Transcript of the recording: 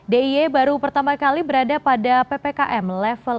d i e baru pertama kali berada pada ppkm level tiga